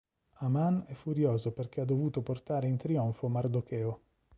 Aman è furioso perché ha dovuto portare in trionfo Mardocheo.